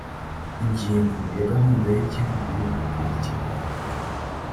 ingingo ya gahunda y igihugu yo gukurikirana